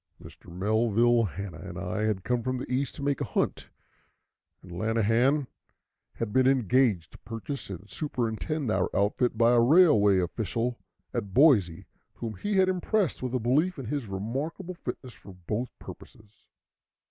Mr. Melville Hanna and I had come from the east to make a hunt, and Lanahan had been engaged to purchase and superintend our outfit by a railway official at Boise, whom he had impressed with a belief in his remarkable fitness for both purposes.